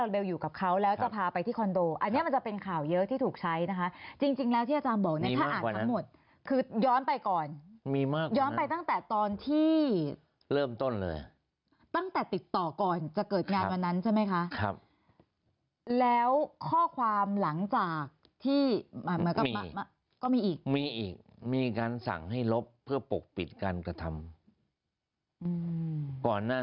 แต่พอเอาเข้าจริงมันมีการมากกว่าการชงเล่า